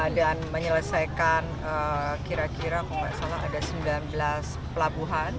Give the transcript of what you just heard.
dan menyelesaikan kira kira kalau tidak salah ada sembilan belas pelabuhan